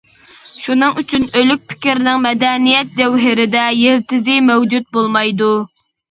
شۇنىڭ ئۈچۈن ئۆلۈك پىكىرنىڭ مەدەنىيەت جەۋھىرىدە يىلتىزى مەۋجۇت بولمايدۇ.